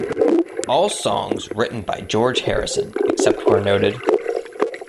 All songs written by George Harrison, except where noted.